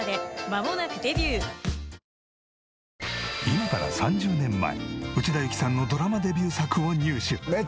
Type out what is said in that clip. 今から３０年前内田有紀さんのドラマデビュー作を入手。